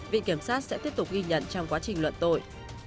viện kiểm sát sẽ tiếp tục ghi nhận trong quá trình luận tội